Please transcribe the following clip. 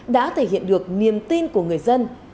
đã thể hiện được niềm tin của người dân